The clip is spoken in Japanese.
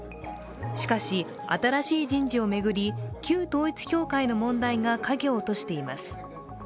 しかし、新しい人事を巡り旧統一教会の問題が影を落としています。